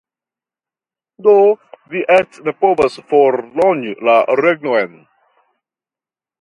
Do vi eĉ ne povas fordoni la regnon.